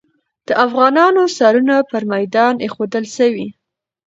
د افغانانو سرونه پر میدان ایښودل سوي.